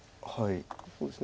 そうですね